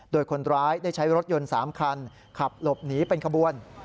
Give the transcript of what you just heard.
โดยคนร้ายได้ใช้รถยนต์๓คันขับหลบหนีเป็นขบวน